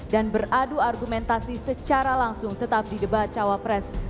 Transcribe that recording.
dan beradu argumentasi secara langsung tetap di debat cawa press